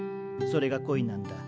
それが恋なんだ。